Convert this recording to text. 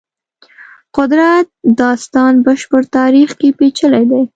قدرت داستان بشر تاریخ کې پېچلي دی.